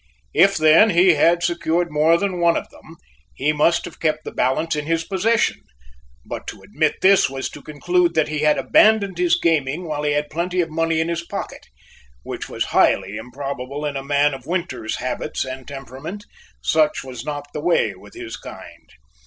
If, then, he had secured more than one of them, he must have kept the balance in his possession; but to admit this was to conclude that he had abandoned his gaming while he had plenty of money in his pocket, which was highly improbable in a man of Winters's habits and temperament; such was not the way with his kind.